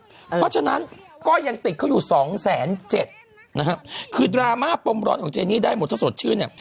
เพราะฉะนั้นก็ยังติดเขาอยู่สองแสนเจ็ดนะฮะคือดราม่าปมร้อนของเจนี่ได้หมดถ้าสดชื่นเนี่ย